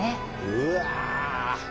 うわ。